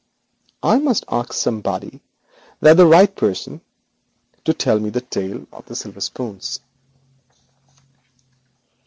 I must ask somebody, and that the right person, to tell me the tale of the silver spoons.